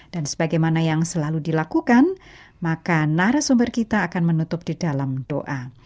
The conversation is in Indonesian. dan sebagaimana yang selalu dilakukan maka narasumber kita akan menutup di dalam doa